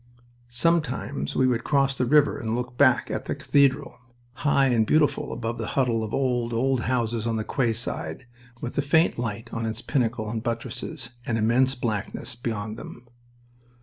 Sometimes we would cross the river and look back at the cathedral, high and beautiful above the huddle of old, old houses on the quayside, with a faint light on its pinnacle and buttresses and immense blackness beyond them.